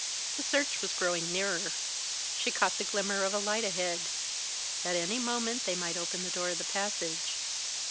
The search was growing nearer; she caught the glimmer of a light ahead. At any moment they might open the door of the passage.